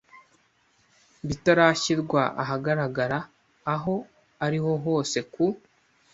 bitarashyirwa ahagaragara aho ari ho hose ku